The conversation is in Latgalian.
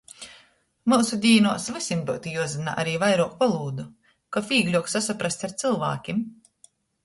Myusu dīnuos vysim byutu juozyna ari vairuok volūdu, kab vīgļuok sasaprast ar cylvākim.